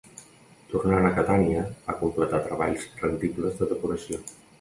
Tornant a Catània va completar treballs rendibles de decoració.